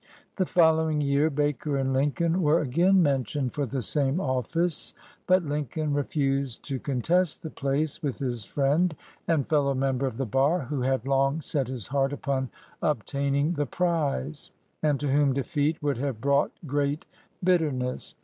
The following year Baker and Lincoln were again mentioned for the same office, but Lincoln refused to contest the place with his friend and fellow member at the bar, who had long set his heart upon obtaining the prize, and to whom defeat would have brought great bitterness.